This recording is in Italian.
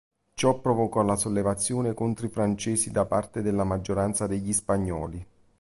Ciò provocò la sollevazione contro i francesi da parte della maggioranza degli spagnoli.